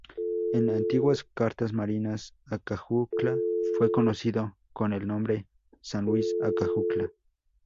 En antiguas cartas marinas, Acajutla fue conocido con el nombre "San Luís Acajutla.